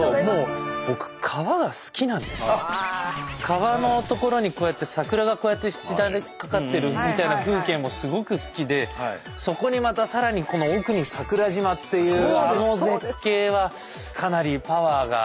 川の所にこうやって桜がこうやってしだれかかってるみたいな風景もすごく好きでそこにまたさらにこの奥に桜島っていうあの絶景はかなりパワーが。